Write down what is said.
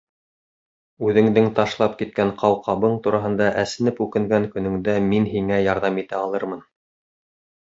Үҙеңдең ташлап киткән ҡауҡабың тураһында әсенеп үкенгән көнөңдә мин һиңә ярҙам итә алырмын.